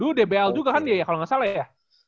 dulu dbl juga kan dia ya kalau nggak salah ya